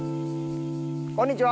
こんにちは。